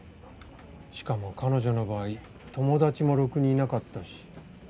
しかも彼女の場合友達もろくにいなかったし。